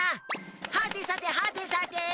はてさてはてさて！